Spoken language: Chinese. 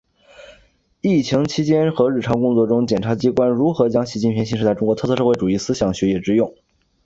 疫情期间和日常工作中检察机关如何将习近平新时代中国特色社会主义思想学以致用